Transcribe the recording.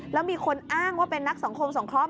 แล้วมีคนอ้างว่าเป็นนักสังคมสงเคราะห